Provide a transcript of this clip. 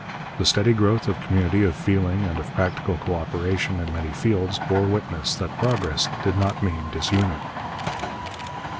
The steady growth of community of feeling and of practical co operation in many fields bore witness that progress did not mean disunion.